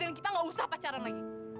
dan kita gak usah pacaran lagi